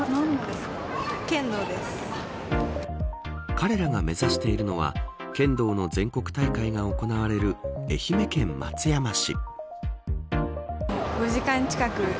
彼らが目指しているのは剣道の全国大会が行われる愛媛県松山市。